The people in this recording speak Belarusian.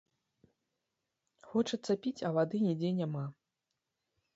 Хочацца піць, а вады нідзе няма.